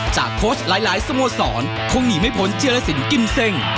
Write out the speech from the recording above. โค้ชหลายสโมสรคงหนีไม่พ้นเจียรสินกิมเซ็ง